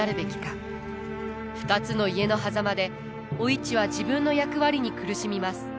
２つの家のはざまでお市は自分の役割に苦しみます。